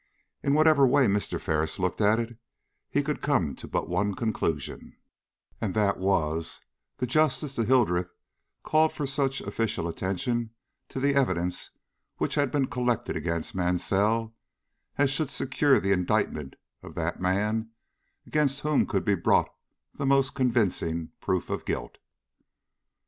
In whatever way Mr. Ferris looked at it, he could come to but one conclusion, and that was, that justice to Hildreth called for such official attention to the evidence which had been collected against Mansell as should secure the indictment of that man against whom could be brought the more convincing proof of guilt.